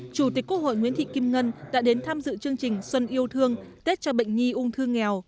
chủ tịch quốc hội nguyễn thị kim ngân đã đến tham dự chương trình xuân yêu thương tết cho bệnh nhi ung thư nghèo